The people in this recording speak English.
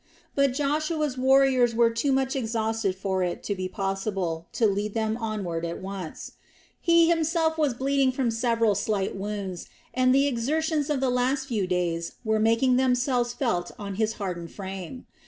But Joshua's warriors were too much exhausted for it to be possible to lead them onward at once. He himself was bleeding from several slight wounds, and the exertions of the last few days were making themselves felt even on his hardened frame.